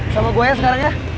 sama gue sekarang ya